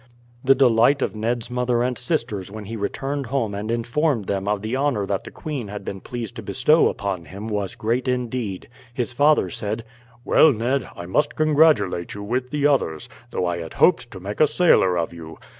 The delight of Ned's mother and sisters when he returned home and informed them of the honour that the queen had been pleased to bestow upon him was great indeed. His father said: "Well, Ned, I must congratulate you with the others; though I had hoped to make a sailor of you.